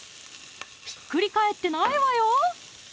ひっくり返ってないわよ！